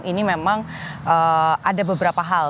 ini memang ada beberapa hal